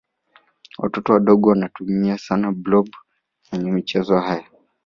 watoto wadogo wanamtumia sana blob kwenye michezo yao